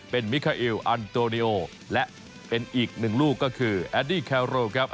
เป็นมิคาอิลอันโตนิโอและเป็นอีกหนึ่งลูกก็คือแอดดี้แคโรครับ